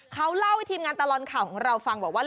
เขาเล่าให้ทีมงานตลอดข่าวของเราฟังบอกว่า